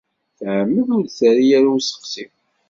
Tεemmed ur d-terri ara i usteqsi.